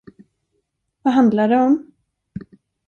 Vad handlar det om?